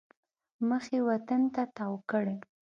مخ یې وطن ته تاو کړی.